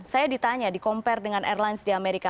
saya ditanya di compare dengan airlines di amerika